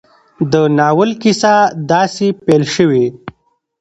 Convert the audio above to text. د ناول کيسه داسې پيل شوې